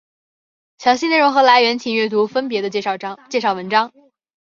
详细内容和来源请阅读分别的介绍文章。